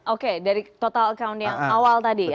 oke dari total account yang awal tadi ya